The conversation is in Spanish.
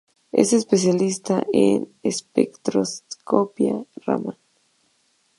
Es especialista en espectroscopia Raman.